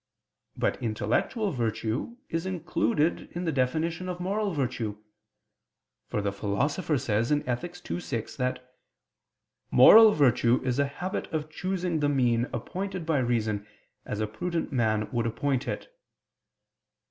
But intellectual virtue is included in the definition of moral virtue: for the Philosopher says (Ethic. ii, 6) that "moral virtue is a habit of choosing the mean appointed by reason as a prudent man would appoint it."